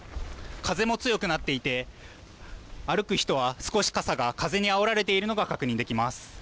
風も強くなっていて歩く人は少し傘が風にあおられているのが確認できます。